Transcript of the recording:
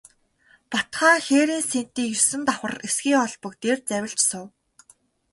Бат хаан хээрийн сэнтий есөн давхар эсгий олбог дээр завилж суув.